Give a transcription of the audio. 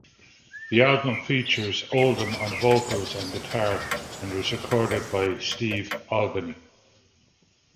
The album features Oldham on vocals and guitar, and was recorded by Steve Albini.